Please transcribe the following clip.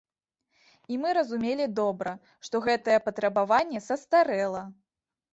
І мы разумелі добра, што гэтае патрабаванне састарэла.